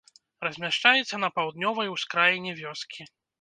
Размяшчаецца на паўднёвай ускраіне вёскі.